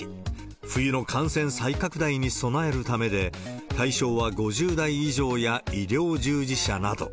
冬の感染再拡大に備えるためで、対象は５０代以上や医療従事者など。